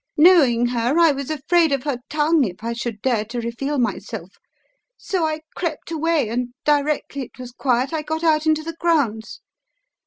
Knowing her, I was afraid of her tongue if I should dare to reveal myself, so I crept away, and directly it was quiet, I got out into the grounds.